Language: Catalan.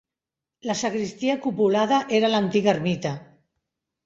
La sagristia cupulada era l'antiga ermita.